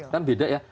kan beda ya